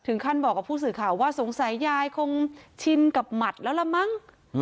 ท่านบอกกับผู้สื่อข่าวว่าสงสัยยายคงชินกับหมัดแล้วละมั้ง